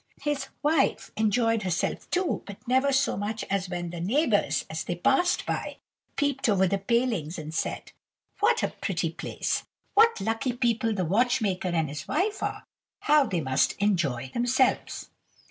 "His wife enjoyed herself too, but never so much as when the neighbours, as they passed by, peeped over the palings, and said, 'What a pretty place! What lucky people the watchmaker and his wife are! How they must enjoy themselves!